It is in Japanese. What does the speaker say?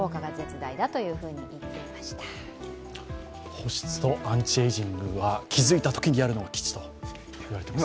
保湿とアンチエイジングは気付いたときにやるのが吉と言われてます。